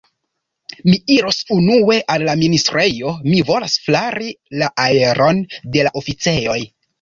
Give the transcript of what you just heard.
Mi iros unue al la ministrejo; mi volas flari la aeron de la oficejoj.